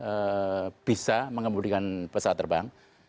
karena dia itu bisa mengemudikan pesawat terbang